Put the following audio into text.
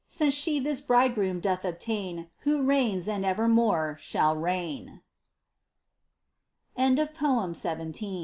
Since she this Bridegroom doth obtain Who reigns and evermore shall reign ! Poem i8.